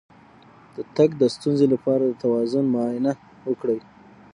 د تګ د ستونزې لپاره د توازن معاینه وکړئ